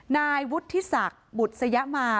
นายวุฒิศักดิ์บุษยมา